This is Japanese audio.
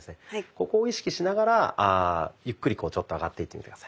ここを意識しながらゆっくりこうちょっと上がっていってみて下さい。